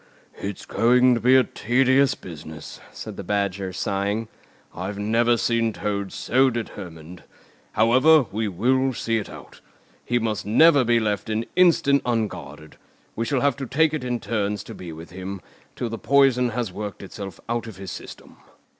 "It's going to be a tedious business," said the Badger, sighing. "I've never seen Toad so determined. However, we will see it out. He must never be left an instant unguarded. We shall have to take it in turns to be with him, till the poison has worked itself out of his system."